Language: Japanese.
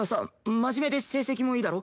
真面目で成績もいいだろ？